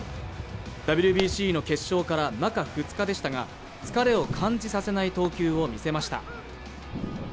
ＷＢＣの決勝から中２日でしたが疲れを感じさせない投球を見せました。